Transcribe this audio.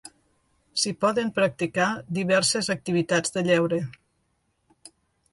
S'hi poden practicar diverses activitats de lleure.